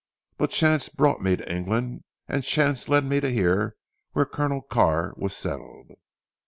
But chance brought me to England, and chance led me to hear where Colonel Carr was settled.